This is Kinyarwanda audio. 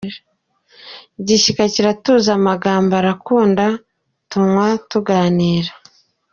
Igishyika kiratuza Amagambo arakunda Tunywa tuganira.